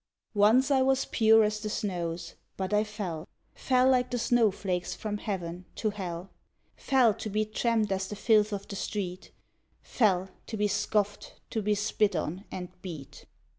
Once I was pure as the snows, but I fell: Fell, like the snow flakes, from heaven to hell: Fell, to be tramped as the filth of the street: Fell, to be scoffed, to be spit on, and beat.